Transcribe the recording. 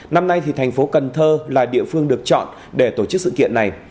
năm nay thì thành phố cần thơ là địa phương được chọn để tổ chức sự kiện này